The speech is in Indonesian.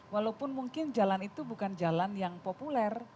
walaupun mungkin jalan itu bukan jalan yang populer